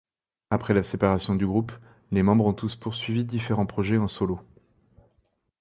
Après la séparation du groupe, les membres ont tous poursuivi différents projets en solo.